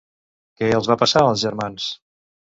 Què els va passar als germans?